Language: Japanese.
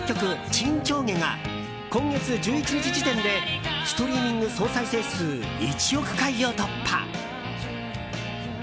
「沈丁花」が今月１１日時点でストリーミング総再生数１億回を突破！